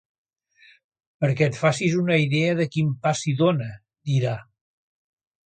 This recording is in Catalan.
Perquè et facis una idea de quin pa s'hi dóna —dirà.